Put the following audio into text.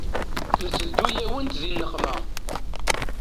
Nteddu-yawent di nneqma.